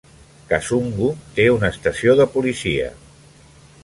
Kasungu té una estació de policia.